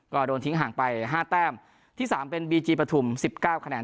ก็โดนทิ้งห่างไปห้าแต้มที่สามเป็นบีจีปฐุมสิบเก้าแน